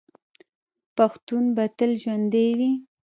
پښتون به تل ژوندی وي.